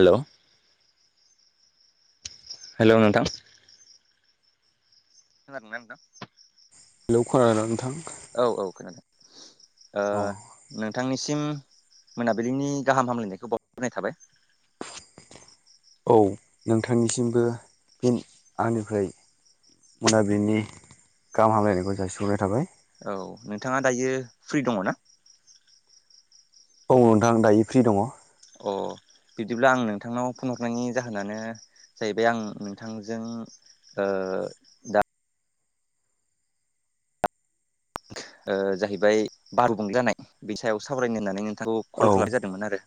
Hello hello नोंथां खोनादोंना नोंथां? हेलौ खोनादोंना नोंथां। औ -औ खोनादों। ओ अ नोंथांनिसिम मोनाबिलिनि गाहाम हामलायनायखौ बावरग्रोनाय थाबाय। औ नोंथांनिसिमबो फिन आंनिफ्राय मोनाबिलिनि गाहाम हामलायनायखौ जासिह'नाय थाबाय। औ नोंथाङा दायो फ्रि दङ ना? औ नोंथां दायो फ्रि दङ। अ बिदिब्ला आं नोंथांनाव फन हरनायनि जाहोनानो जाहैबाय आं नोंथांजों ओ ओ जाहैबाय बारबुं जानाय बिनि सायाव सावरायनो होननानै नोंथांखौ औ कल खालामनाय जादोंमोन आरो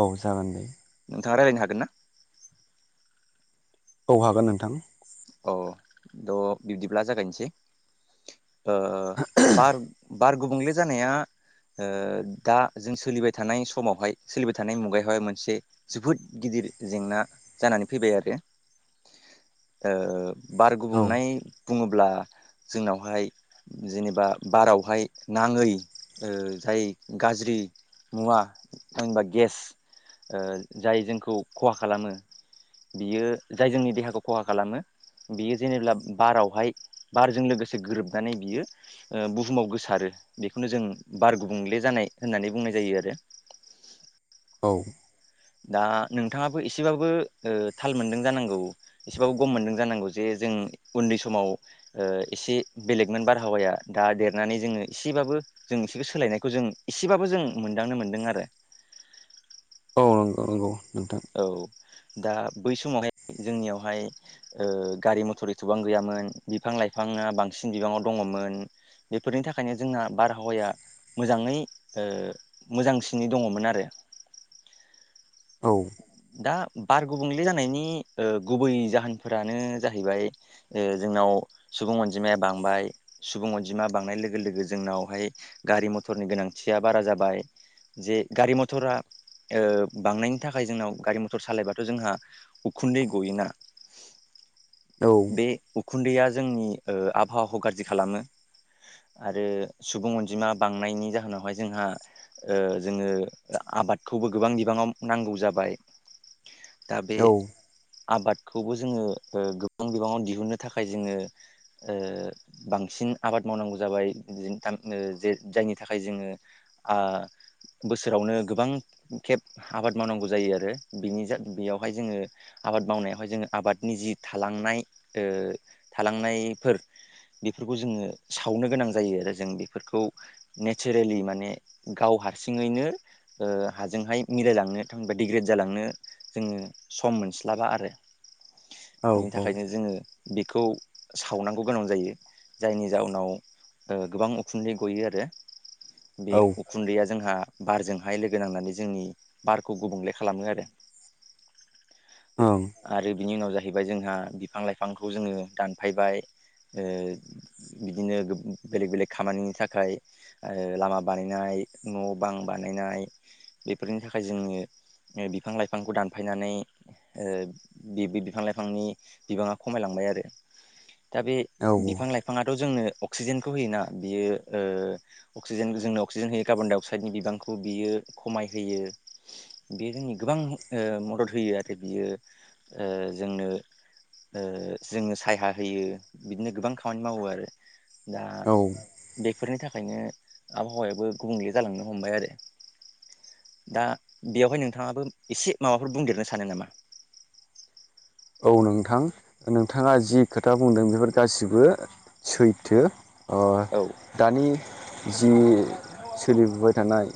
औ जागोन दे नोंङा रायलायनो हागोना? औ हागोन नोंथां। अ' द' बिब्दिब्ला जागायनोसै ओ बार बार गुबुंले जानाया ओ दा जों सोलिबाय थानाय समावहाय सोलिबाय थानाय मुगायावहाय मोनसे जोबोद गिदिर जेंना जानानै फैबाय आरो। ओ बार औ गुबुंनाय बुङोब्ला जोंनावहाय जेनेबा बारावहाय नाङै ओ जाय गाज्रि मुवा जेनेबा गेस ओ जाय जोंखौ खहा खालामो बियो जाय जोंनि देहाखौ खहा खालामो बियो जेनेबा बारावहाय बारजों लोगोसे गोरोबनानै बियो ओ बुहुमाव गोसारो बेखौनो जों बार गुबुंले जानाय होननानै बुंनाय जायो आरो। औ। दा नोंथाङाबो एसेबाबो ओ‌ थाल मोनदों जानांगौ। एसेबाबो गम मोनदों जानांगौ जे जों उन्दै समाव ओ‌ एसे बेलेगमोन बारहावाया दा देरनानै जोङो एसेबाबो जों इसोरखौ सोलायनायखौ जों इसेबाबो जों मोनदांनो मोन्दों आरो। औ नंगौ नंगौ नोंथां। औ दा बै समावहाय जोंनियावहाय ओ गारि मथर एथ'बां गैयामोन बिफां लाइफाङा बांसिन बिबाङाव दङमोन बेफोरनि थाखायनो जोंना बारहावाया मोजाङै ओ मोजांसिनै दङमोन आरो। औ। दा बार गुबुंले जानायनि ओ गुबै जाहोनफोरानो जाहैबाय ओ‌जोंनाव सुबुं अनजिमाया बांबाय सुबुं अनजिमा बांनाय लोगो लोगो जोंनावहाय गारि मथरनि गोनांथिया बारा जाबाय जे गारि मथरा ओ बांनायनि बेनि थाखाय जोंनाव गारि मथर सालायबाथ' जोंहा उखुन्दै गयोना औ बे उखुन्दैया जोंनि ओ आबहावाखौ गाज्रि खालामो। आरो सुबुं अनजिमा बांनायनि जाहोनावहाय जोंहा ओ जोङो आबादखौबो गोबां बिबाङाव नांगौ जाबाय दा बे औ आबादखौबो जोङो ओ गोबां बिबाङाव दिहुननो थाखाय जोङो ओ बांसिन आबाद मावनांगौ जाबाय ओ जे जायनि थाखाय जोङो आ बोसोरावनो गोबां खेब आबाद मावनांगौ जायो आरो बिनि जा बेयावहाय जोङो आबाद मावनायावहाय जोङो आबादनि जि थालांनाय ओ थालांनायफोर बेफोरखौ जोङो सावनो गोनां जायो आरो जों बेफोरखौ नेचारेलि माने गाव हारसिङैनो ओ हाजोंहाय मिलायलांनो थांबा डिग्रेद जालांनो जोङो सम मोनस्लाबा आरो। औ बिनि थाखायनो जोङो बेखौ सावनांगौ गोनां जायो। जायनि जाउनाव ओ गोबां उखुन्दै गयो आरो। बे ओं उखुन्दैया जोंहा बारजोंहाय लोगो नांनानै जोंनि बारखौ गुबुंले खालामो आरो। औ आरो बिनि उनाव जाहैबाय जोंहा बिफां लाइफांखौ जोङो दानफायबाय। ओ बिदिनो बेलेग - बेलेग खामानिनि थाखाय ओ लामा बानायनाय न' बां बानायनाय बेफोरनि थाखाय जोङो बिफां लाइफांखौ दानफायनानै ओ बे बिफां लाइफांनि बिबाङा खमायलांबाय आरो। दा बे औ बिफां लाइफाङाथ' जोंनो अक्सिजेनखौ होयोना बियो ओ अक्सिजेन जोंनो अक्सिजेन होयो कार्बन डाइ अक्साइडनि बिबांखौ बियो खमाय होयो। बे जोंनि गोबां ओ मदद होयो आरो बियो जोंनो ओ जोङो साया होयो। बिदिनो गोबां खामानि मावो आरो। दा बेफोरनि थाखायनो आबहावायाबो गुबुंले जालांनो हमबाय आरो। दा बेवहाय नोंथाङाबो एसे माबाफोर बुंदेरनो सानो नामा? औ नोंथां नोंथाङा जि खोथा बुंदों बेफोर गासिबो सैथो। ओ औ दानि जि सोलिबोबाय थानाय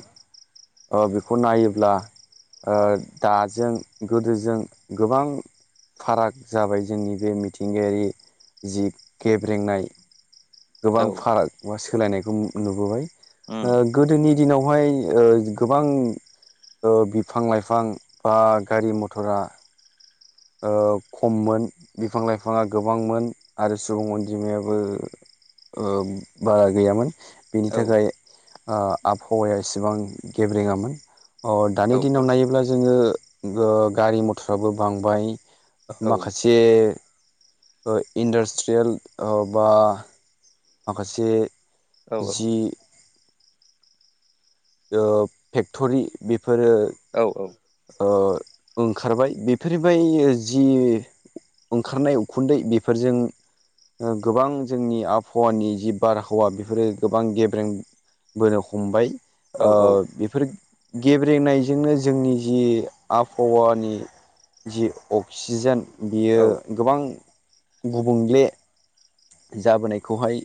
अ' बेखौ नायोब्ला ओ दाजों गोदोजों गोबां फाराग जाबाय जोंनि बे मिथिंगायारि जि गेब्रेंनाय। औ गोबां फाराग बा सोलायनायखौ नु-नुबोबाय उम ओ गोदोनि दिनावहाय ओ गोबां ओ बिफां लाइफां बा गारि मथरा ओ खममोन बिफां लाइफाङा गोबांमोन आरो सुबुं अनजिमायाबो ओ बारा गैयामोन। बिनि औ थाखाय आ आबहावाया इसेबां गेब्रेङामोन। अ' औ दानि दिनाव नायोब्ला जोङो ओ गारि मथराबो बांबाय। औ माखासे ओ इन्डास्ट्रियेल ओ बा माखासे औ जि ओ फेक्टरि बेफोरो औ औ ओ ओंखारबाय बेफोरबाय जि ओंखारनाय उखुन्दै बेफोरजों ओ गोबां जोंनि आबहावानि जि बारहावा बेफोरो गोबां गेब्रें बोनो हमबाय। औ ओ बेफोर गेब्रेंनायजोंनो जोंनि जि आबहावानि जि अक्सिजेन बियो गोबां गुबुंले जाबोनायखौहाय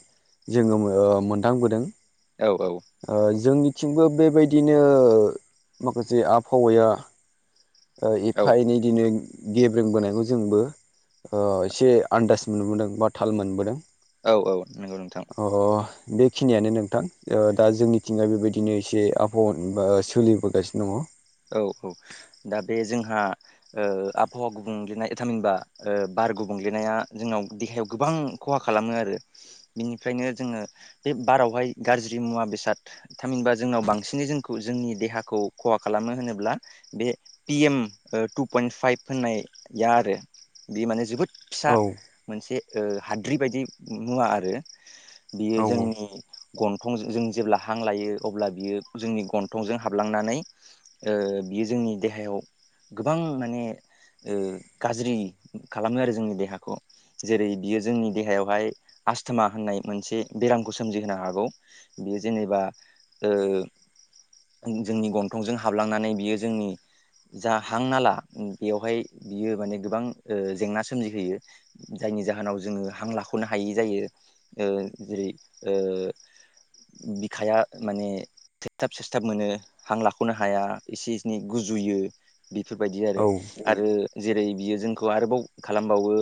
जोङो मो ओ मोनदांबोदों। औ औ ओ जोंनिथिंबो बेबायदिनो माखासे आबहावाया ओ औ एफा एनैदिनो गेब्रोंबोनायखौ जोंबो ओ एसे आन्दास मोनबोदों बा थाल मोनबोदों। औ औ नंगौ नोंथां। अ बेखिनियानो नोंथां। ओ दा जोंनिथिंजाय बेबायदिनो एसे आबहाव बा सोलिबोगासिनो दङ। औ औ दा बे जोंहा ओ आबहावा गुबुंलेनाय थामिनबा बार गुबुंलेनाया जोंनाव देहायाव गोबां खहा खालामो आरो। बेनिफ्रायनो जोङो बे बारावहाय गाज्रि मुवा, बेसाद थामहिनबा जोंनाव बांसिनै जोंखौ जोंनि देहाखौ खहा खालामो होनोब्ला बे P M two point five होननाया आरो बे माने जोबोद फिसा औ मोनसे हाद्रि बायदि मुवा आरो बियो औ जोंनि गन्थंजों जों जेब्ला हां लायो अब्ला बियो जोंनि गन्थंजों हाबलांनानै बियो जोंनि देहायाव गोबां माने गाज्रि खालामो आरो जोंनि देहाखौ जेरै बियो जोंनि देहायावहाय आसथामा होननाय मोनसे बेरामखौ सोमजिहोनो हागौ। बे जेनेबा ओ जोंनि गन्थंजों हाबलांनानै बियो जोंनि जा हां नाला बेयावहाय बियो माने गोबां ओ जेंना सोमजि होयो। जायनि जाहोनाव जोङो हां लाख'नो हायै जायो। ओ जेरै ओ बिखाया माने थबथाब सेसथाब मोनो हां लाख'नो हाया एसे इसेै गुजुयो बेफोरबायदि आरो औ आरो जेरै बियो जोंखौ आरोबाव खालामबावो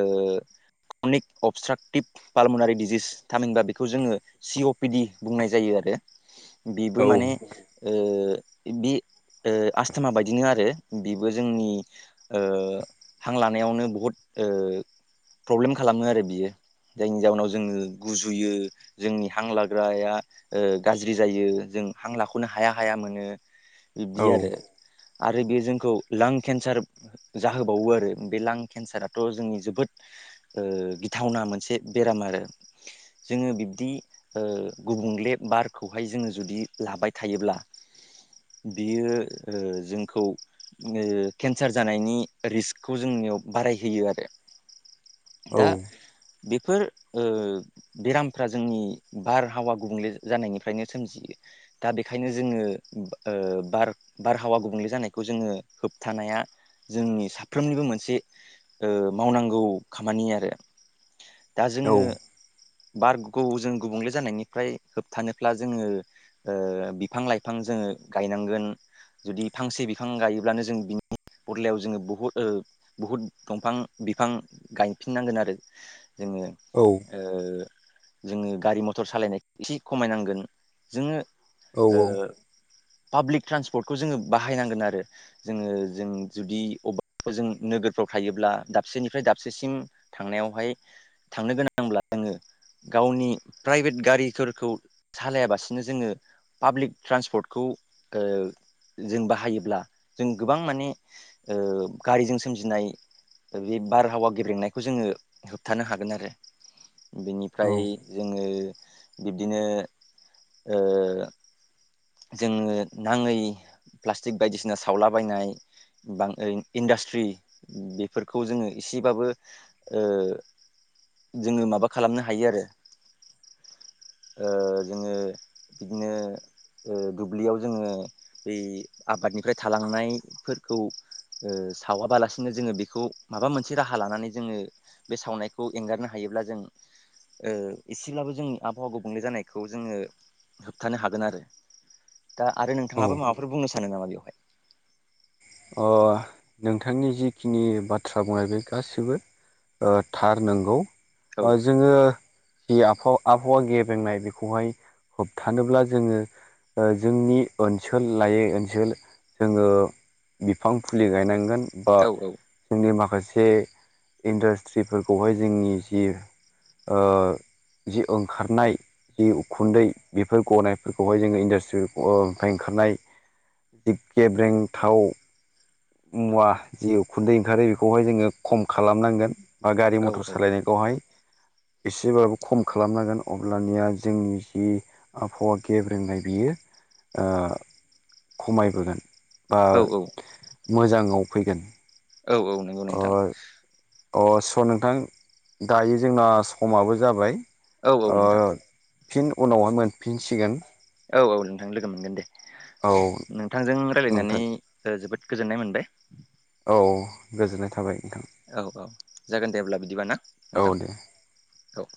अनेक अबसट्राकटिभ पालमनारि डिजिस थामहिनबा बेखौ जोङो सि अ पि डि बुंनाय जायो आरो बेबो औ माने बे आसस्थमा बायदिनो आरो बेबो जोंनि हां लानायावनो बहुद प्रब्लेम खालामो आरो बियो जायनि जाउोनाव जोङो गुजुयो जोंनि हां लाग्राया गाज्रि जायो जों हां लाखौनो हाया हाया मोनो बिब्दि आरो आरो बे जोंखौ लां केन्सार जाहोबावो आरो बे लां केन्साराथ' जोंनि जोबोद गिथावना मोनसे बेराम आरो जोङो बिब्दि गुबुंले बारखौहाय जोङो जुदि लाबाय थायोब्ला बियो जोंखौ केन्सार जानायनि रिस्कखौ जोंनियाव बारायहोयो आरो दा बेफोर बेरामफ्रा जोंनि बारहावा गुबुंले जानायनिफ्रायनो सोमजियो दा बेखायनो जोङो बार बारहावा गुबुंले जानायखौ जोङो होबथानाया जोंनि साफ्रोमनिबो मोनसे मावनांगौ खामानि आरो दा औ जोङो बारग जों गुबुंले जानायनिफ्राय होबथानो्ला जोङो बिफां लाइफां जोङो गायनांगोन जुदि फांसे बिफां गायोब्लानो जों बिनि फदलायाव जोङो बहुद बुहुद दंफां बिफां गायफिननांगोन आरो जोङो औ जोङो गारि मथर सालायनाय एसे खमायनांगोन जोङो पाब्लिक ट्रान्सपर्टखौ जोङो बाहायनांगोन आरो जोङो जों जुदि अबा जों नोगोरफ्राव थायोब्ला दाबसेनिफ्राय दाबसेसिम थांनायावहाय थांनो गोनांब्ला जोङो गावनि प्राइभेट गारिफोरखौ सालायााबासिनो जोङो पाब्लिक ट्रान्सपर्ट खौ जों बाहायोब्ला जों गोबां माने गारिजों सोमजिनाय बे बारहावा गेबेंनायखौ जोङो होबथानो हागोन आरो औ बिनिफ्राय जोङो बिब्दिनो जोङो नाङै प्लास्टिक बायदिसिना सावलाबायनाय बां ओइ इन्डास्ट्रि बेफोरखौ जोङो एसेबाबो ओ जोङो माबा खालामनो हायो आरो जोङो बिदिनो दुब्लियाव जोङो बे आबादनिफ्राय थालांनायफोरखौ सावाबालासिनो जोङो बेखौ माबा मोनसे राहा लानानै जोङो बे सावनायखौ एंगारनो हायोब्ला जों एसेब्लाबो जोंनि आबहावा गुबुंले जानायखौ जोङो होबथानो हागोन आरो दा आरो औ नोंथाङाबो माबाफोर बुंनो सानो नामा बेवहाय अ नोंथांनि जिखिनि बाथ्रा बुंनाय बे गासिबो थार नंगौ औ जोङो जि आबहावा आबहावा गेबेंनाय बेखौहाय होबथानोब्ला जोङो जोंनि ओनसोल लायै ओनसोल जोङो बिफां फुलि गायनांगोन बा औ औ जोंनि माखासे इन्डास्ट्रिफोरखौहाय जोंनि जि जि ओंखारनाय जि उखुन्दै बेफोर गनायफोरखौहाय जोङो इन्डासट्रिफ्राय ओंखारनाय जिब गेब्रें थाव मुवा जि उखुन्दै ओंखारो बेखौहाय जोङो खम खालामनांगोन बा गारि औ मटर सालायनाय खौहाय एसेबाबो खम खालामनांगोन अब्लानिया जोंनि जि आबहावा गेब्रेंनाय बियो खमायबोगोन बा औ औ मोजाङाव फैगोन औ औ नंगौ अ नोंथां अ स नोंथां दायो जोंना समाबो जाबाय औ औ नोंथां फिन उनावहाय मोनफिनसिगोन औ औ नोंथां लोगो मोनगोन दे औ नोंथांजों रायज्लायनानै नोंथां जोबोद गोजोननाय मोनबाय औ गोजोननाय थाबाय नोंथां औ औ जागोन देब्ला बिदिबा ना औ नोंथां दे औ